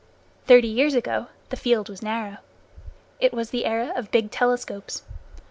Thirty years ago the field was narrow. It was the era of big telescopes.